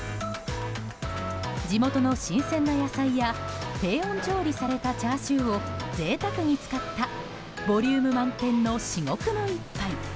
地元の新鮮な野菜や低温調理されたチャーシューを贅沢に使ったボリューム満点の至極の一杯。